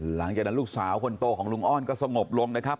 หลังจากนั้นลูกสาวคนโตของลุงอ้อนก็สงบลงนะครับ